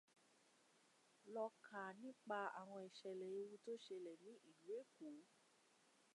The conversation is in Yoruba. Lọ kà nípa àwọn ìṣẹ̀lẹ̀ ewu tó ṣẹlẹ̀ ní ìlú ẹ̀kọ́